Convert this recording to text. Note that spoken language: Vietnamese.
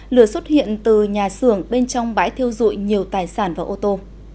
lửa xuất hiện từ nhà xưởng bên trong bãi thiêu dụi nhiều tài sản và ô tô